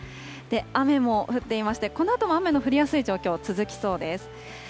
雨も降っていまして、このあとも雨の降りやすい状況、続きそうです。